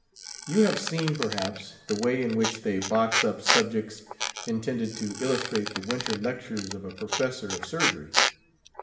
You have seen, perhaps, the way in which they box up subjects intended to illustrate the winter lectures of a professor of surgery.